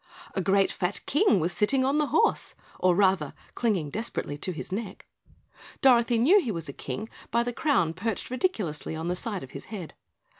A great fat King was sitting on the horse, or rather, clinging desperately to his neck. Dorothy knew he was a King by the crown perched ridiculously on the side of his head.